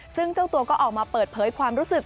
ซึ่งเจ้าตัวก็ออกมาเปิดเผยความรู้สึก